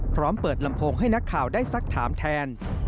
พร้อมเปิดลำโพงให้นักข่าวได้สักถามแทน